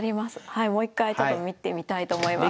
はいもう一回ちょっと見てみたいと思います。